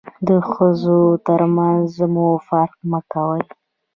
د ښځو تر منځ مو فرق مه کوئ.